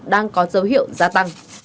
đang có dấu hiệu gia tăng